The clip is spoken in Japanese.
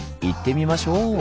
行ってみましょう！